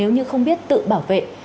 như không biết tự bảo vệ